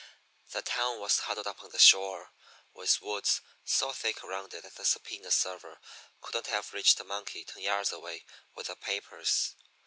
The town was huddled up on the shore, with woods so thick around it that a subpoena server couldn't have reached a monkey ten yards away with the papers.